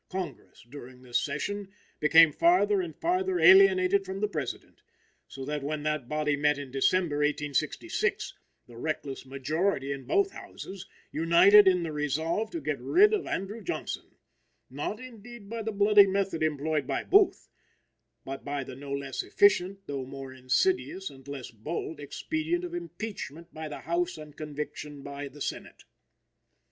Congress, during this session, became farther and farther alienated from the President, so that when that body met in December, 1866, the reckless majority in both Houses united in the resolve to get rid of Andrew Johnson, not indeed by the bloody method employed by Booth, but by the no less efficient, though more insidious and less bold, expedient of impeachment by the House and conviction by the Senate.